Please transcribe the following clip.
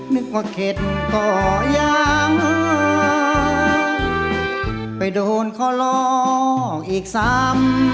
นึกว่าเข็ดก็ยังไปโดนขอร้องอีกซ้ำ